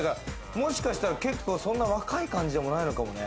もしかしたらそんなに若い感じでもないのかもね。